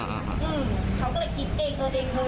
เขาก็เลยคิดเองเอาเองเฮ้